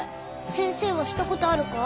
先生はしたことあるか？